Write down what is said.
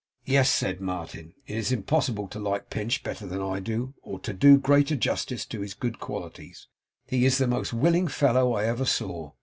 'Yes,' said Martin. 'It's impossible to like Pinch better than I do, or to do greater justice to his good qualities. He is the most willing fellow I ever saw.